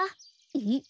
えっ？